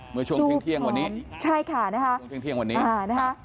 เมื่อช่วงเที่ยงเที่ยงวันนี้ใช่ค่ะนะคะช่วงเที่ยงวันนี้อ่านะคะ